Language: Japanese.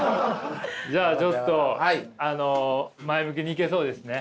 じゃあちょっとあの前向きにいけそうですね？